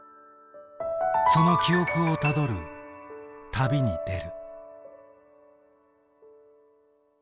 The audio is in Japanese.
その記憶をたどる旅に出る。